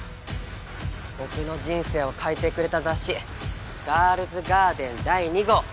僕の人生を変えてくれた雑誌『ガールズガーデン』第２号。